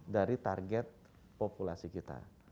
dari target populasi kita